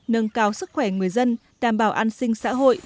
nâng cao sức khỏe người dân đảm bảo an sinh xã hội